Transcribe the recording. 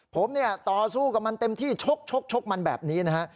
ผมเนี่ยต่อสู้กับมันเต็มที่ชกมันแบบนี้นะฮะ